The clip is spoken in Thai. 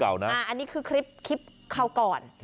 อันนี้คือคลิปคราวก่อน